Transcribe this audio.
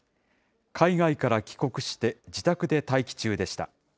海外から帰国して自宅で待機中でした。